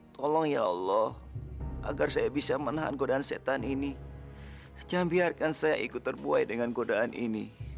tolong ya allah agar saya bisa menahan godaan setan ini jangan biarkan saya ikut terbuai dengan godaan ini